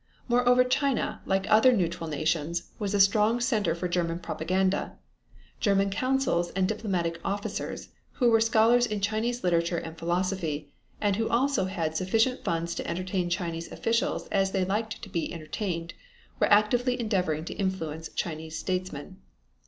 Moreover, China, like other neutral nations, was a strong center for German propaganda. German consuls and diplomatic officers, who were scholars in Chinese literature and philosophy, and who also had sufficient funds to entertain Chinese officials as they liked to be entertained, were actively endeavoring to influence Chinese statesmen.